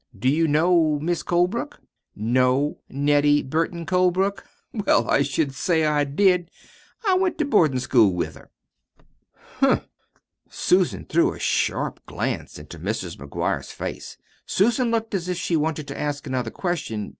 Do you know Mis' Colebrook?" "Know Nettie Burton Colebrook? Well, I should say I did! I went to boardin' school with her." "Humph!" Susan threw a sharp glance into Mrs. McGuire's face. Susan looked as if she wanted to ask another question.